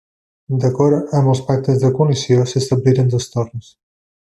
D'acord amb els pactes de coalició, s'establiren dos torns.